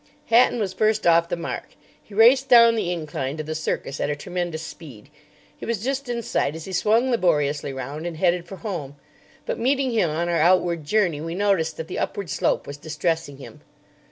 Hatton was first off the mark. He raced down the incline to the Circus at a tremendous speed. He was just in sight as he swung laboriously round and headed for home. But meeting him on our outward journey, we noticed that the upward slope was distressing him.